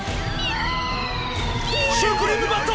シュークリーム・バット！